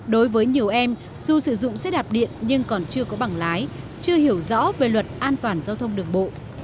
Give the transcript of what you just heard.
đối với nhiều em dù sử dụng xe đạp điện nhưng còn chưa có bảng lái chưa hiểu rõ về luật an toàn giao thông đường bộ